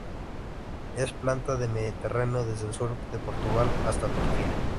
Es planta del Mediterráneo desde el sur de Portugal hasta Turquía.